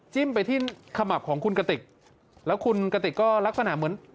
ไปที่ขมับของคุณกติกแล้วคุณกติกก็ลักษณะเหมือน